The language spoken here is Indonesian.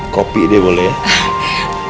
kopi deh boleh ya